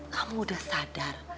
kamu udah sadar